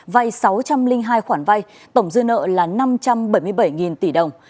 vay sáu trăm linh hai khoản vay tổng dư nợ là năm trăm bảy mươi bảy tỷ đồng